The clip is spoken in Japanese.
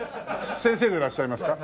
先生でいらっしゃいますか？